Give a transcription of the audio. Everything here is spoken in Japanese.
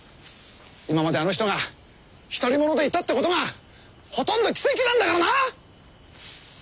今まであの人が独り者でいたってことがほとんど奇跡なんだからな！